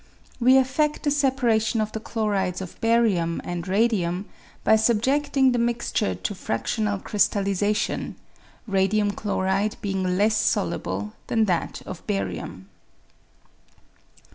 We effed the separation of the chlorides of barium and radium by subjeding the mixture to fractional crystallisation, radium chloride bemg less soluble than that of barium.